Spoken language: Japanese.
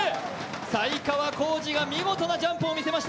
才川コージが見事なジャンプを見せました。